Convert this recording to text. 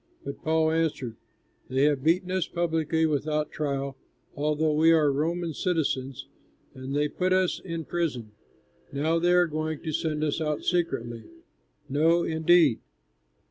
But Paul answered, "They have beaten us publicly without trial, although we are Roman citizens, and they put us in prison! Now they are going to send us out secretly! No, indeed.